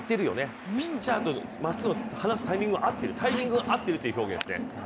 ピッチャーと放すタイミングが合っているタイミングが合ってるという表現ですね。